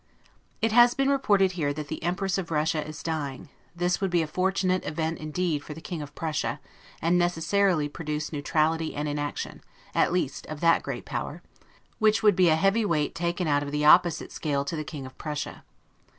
It has been reported here that the Empress of Russia is dying; this would be a fortunate event indeed for the King of Prussia, and necessarily produce the neutrality and inaction, at least, of that great power; which would be a heavy weight taken out of the opposite scale to the King of Prussia.